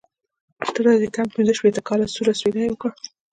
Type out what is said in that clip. اته ورځې کم پنځه شپېته کاله، سوړ اسویلی یې وکړ.